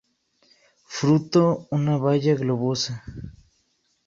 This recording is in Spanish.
Fruto una baya globosa.